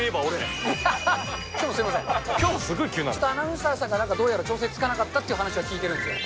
アナウンサーがどうやら調整つかなかったってお話は聞いてるんですけど。